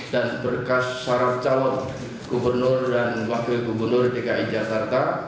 dan berkas syarat calon gubernur dan wakil gubernur dki jakarta